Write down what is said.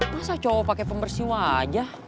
masa cowok pake pembersih wajah